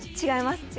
違います